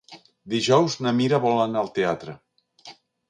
Dijous na Mira vol anar al teatre.